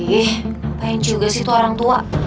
ih ngapain juga sih itu orang tua